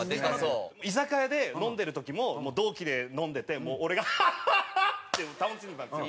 居酒屋で飲んでる時も同期で飲んでて俺が「ハッハッハッ！」って楽しんでたんですよ。